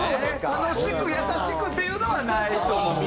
楽しく優しくっていうのはないと思うわ。